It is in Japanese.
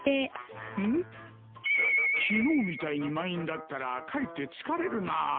昨日みたいに満員だったらかえって疲れるな。